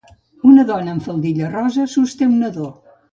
Una dona amb faldilla rosa sosté un nadó.